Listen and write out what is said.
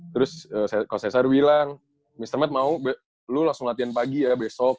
terus kak cesar bilang mr matt mau lu langsung latihan pagi ya besok